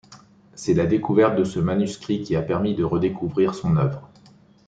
C'est la découverte de ce manuscrit qui a permis de redécouvrir son œuvre.